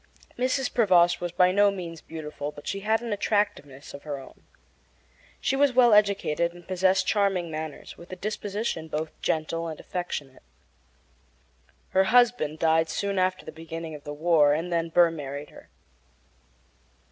Mrs. Prevost was by no means beautiful, but she had an attractiveness of her own. She was well educated and possessed charming manners, with a disposition both gentle and affectionate. Her husband died soon after the beginning of the war, and then Burr married her.